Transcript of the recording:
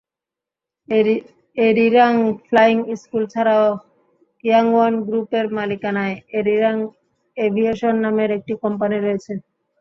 এরিরাং flying school ছাড়াও ইয়াংওয়ান গ্রুপের মালিকানায় এরিরাং এভিয়েশন নামের একটি কোম্পানি রয়েছে।